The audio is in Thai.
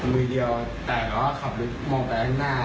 มือเดียวแต่ก็ขับรถมองไปข้างหน้า